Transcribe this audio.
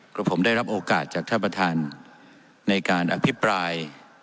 ก็ผมได้รับโอกาสจากท่านประธานในการอภิปราย